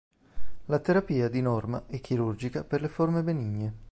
La terapia di norma è chirurgica per le forme benigne.